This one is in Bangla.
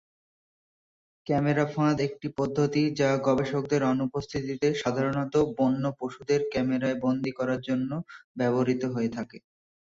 ক্যামেরা ফাঁদ একটি পদ্ধতি যা গবেষকদের অনুপস্থিতিতে সাধারণত বন্য পশুদের ক্যামেরায় বন্দি করার জন্য ব্যবহৃত হয়ে থাকে।